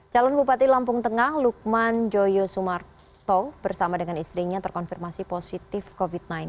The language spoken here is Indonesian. calon bupati lampung tengah lukman joyo sumarto bersama dengan istrinya terkonfirmasi positif covid sembilan belas